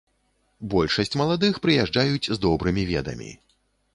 Большасць маладых прыязджаюць з добрымі ведамі.